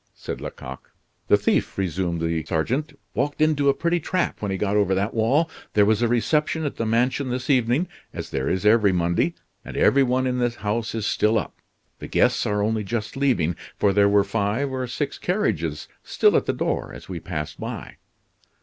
said Lecoq. "The thief," resumed the sergeant, "walked into a pretty trap when he got over that wall. There was a reception at the mansion this evening, as there is every Monday, and every one in the house is still up. The guests are only just leaving, for there were five or six carriages still at the door as we passed by."